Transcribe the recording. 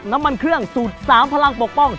น้ำมันเครื่องสูตร๓พลังปกป้อง